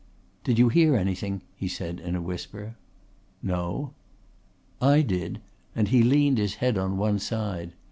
"Did you hear anything?" he said in a whisper. "No." "I did," and he leaned his head on one side.